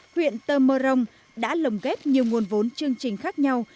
huyện tơ mơ rông đã lồng ghép nhiều nguồn vốn chương trình khác nhau